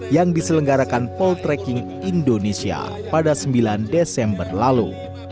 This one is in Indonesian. yang diselenggarakan poltreking indonesia pada sembilan desember lalu